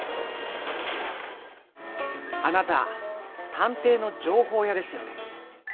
あなた探偵の情報屋ですよね。